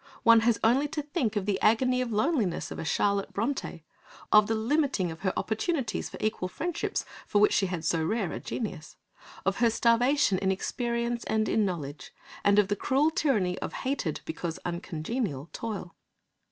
One has only to think of the agony of loneliness of a Charlotte Brontë, of the limiting of her opportunities for equal friendships, for which she had so rare a genius, of her starvation in experience and in knowledge, and of the cruel tyranny of hated, because uncongenial, toil.